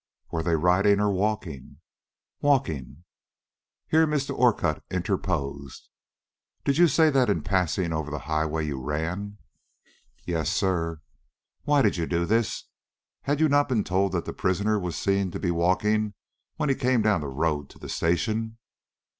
"Were they riding or walking?" "Walking." Here Mr. Orcutt interposed. "Did you say that in passing over the highway you ran?" "Yes, sir." "Why did you do this? Had you not been told that the prisoner was seen to be walking when he came down the road to the station?"